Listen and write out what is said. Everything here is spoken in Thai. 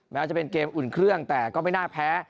แม้จะเป็นเกมอุ่นเครื่องแต่ก็ไม่น่าแพ้